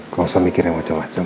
gak usah mikir yang macem macem